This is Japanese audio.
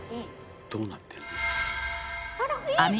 どうなってるの？